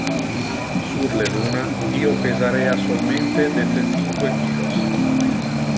Sur le luna io pesarea solmente dece-cinque kilos.